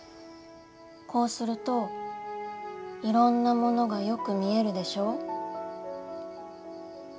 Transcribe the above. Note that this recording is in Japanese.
こうするといろんなものがよく見えるでしょう。